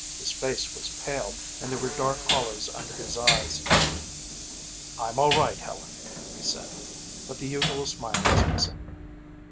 His face was pale and there were dark hollows under his eyes. "I'm all right, Helen," he said, but the usual smile was missing.